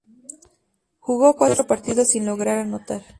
Jugó cuatro partidos sin lograr anotar.